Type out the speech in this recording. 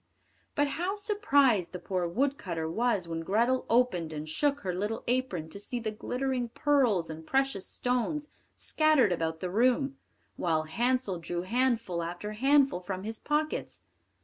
But how surprised the poor wood cutter was when Grethel opened and shook her little apron to see the glittering pearls and precious stones scattered about the room, while Hansel drew handful after handful from his pockets.